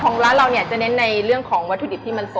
ของเราเนี่ยจะเน้นในเรื่องของวัตถุดิบที่มันสด